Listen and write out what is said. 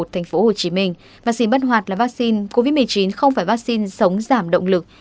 thành phố hồ chí minh và sự bất hoạt là vaccine covid một mươi chín không phải vaccine sống giảm động lực